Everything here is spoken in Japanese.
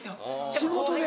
仕事で。